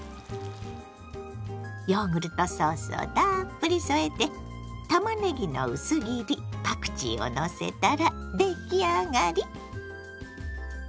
ヨーグルトソースをたっぷり添えてたまねぎの薄切りパクチーをのせたら出来上がり。